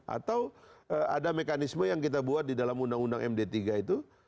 atau ada mekanisme yang kita buat di dalam undang undang md tiga itu